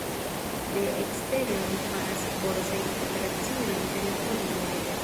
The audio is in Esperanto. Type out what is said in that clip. De ekstere oni faras borsajn operaciojn telefone aŭ rete.